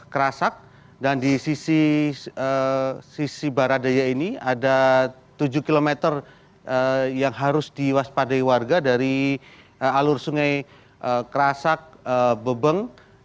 kerasak dan di sisi barat daya ini ada tujuh km yang harus diwaspadai warga dari alur sungai kerasak bebeng